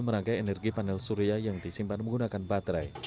merangkai energi panel surya yang disimpan menggunakan baterai